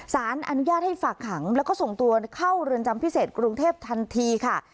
สารอนุญาตให้ฝากขังแล้วก็ส่งตัวเข้าเรือนจำพิเศษกรุงเทพทันทีค่ะ